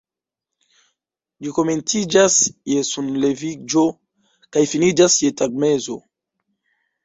Ĝi komenciĝas je sunleviĝo kaj finiĝas je tagmezo.